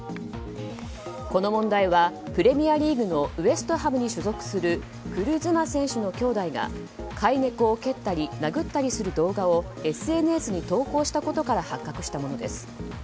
この問題はプレミアリーグのウェストハムに所属するクル・ズマ選手の兄弟が飼い猫を殴ったり蹴ったりする動画をＳＮＳに投稿したことから発覚したものです。